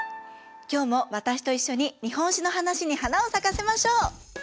今日も私と一緒に日本史の話に花を咲かせましょう。